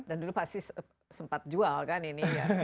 dan dulu pasti sempat jual kan ini ya